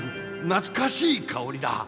なつかしい香りだ。